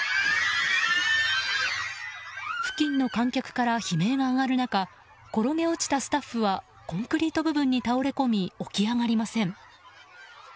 付近の観客から悲鳴が上がる中転げ落ちたスタッフはコンクリート部分に倒れ込み起き上がりません。